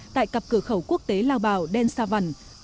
tại cặp cửa khẩu quốc tế lao bảo đen sa văn